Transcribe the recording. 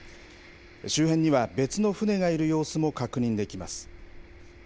周辺には、別の船がいる様子も確認できます。